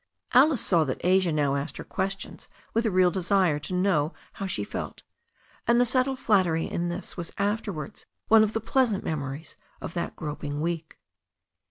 Alice saw that Asia now asked her questions with a real desire to know how she felt, and the subtle flattery in this was afterwards one of the pleasant memories of that groping week.